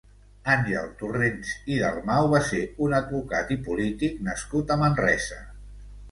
Àngel Torrens i Dalmau va ser un advocat i polític nascut a Manresa.